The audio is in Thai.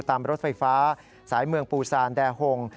ตามรถไฟฟ้าสายเมืองปูซานแด่ห่ง